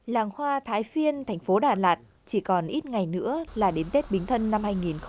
làng hoa thái phiên thành phố đà lạt chỉ còn ít ngày nữa là đến tết bính thân năm hai nghìn hai mươi